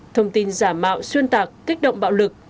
thông tin giả mạo xuyên tạc kích động bạo lực